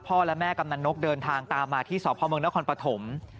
และแม่กำนันนกเดินทางตามมาที่สพเมืองนครปฐม